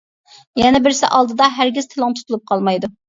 يەنە بىرسى ئالدىدا ھەرگىز تىلىڭ تۇتۇلۇپ قالمايدۇ.